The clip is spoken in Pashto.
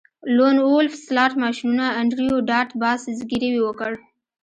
لون وولف سلاټ ماشینونه انډریو ډاټ باس زګیروی وکړ